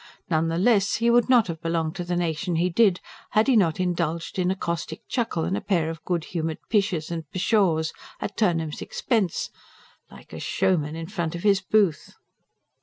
None the less, he would not have belonged to the nation he did, had he not indulged in a caustic chuckle and a pair of good humoured pishes and pshaws, at Turnham's expense. "Like a showman in front of his booth!"